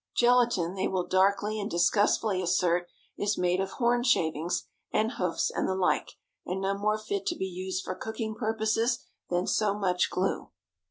Gelatine, they will darkly and disgustfully assert, is made of horn shavings and hoofs and the like, and no more fit to be used for cooking purposes than so much glue.